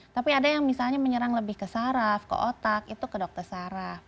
tapi ada yang misalnya menyerang lebih ke saraf ke otak itu ke dokter saraf